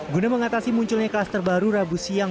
guna mengatasi munculnya kelas terbaru rabu siang